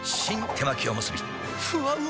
手巻おむすびふわうま